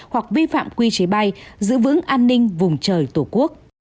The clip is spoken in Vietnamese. hoặc vi phạm quy chế bay giữ vững an ninh vùng trời tổ quốc